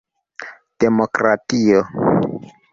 demokratio